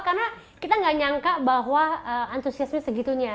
karena kita gak nyangka bahwa antusiasme segitunya